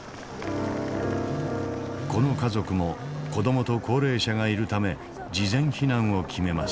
この家族も子どもと高齢者がいるため事前避難を決めます。